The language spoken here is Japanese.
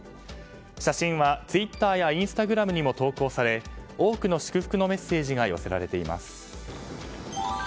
写真はツイッターやインスタグラムにも投稿され多くの祝福のメッセージが寄せられています。